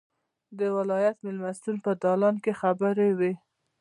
د ولایت مېلمستون په دالان کې خبرې وې.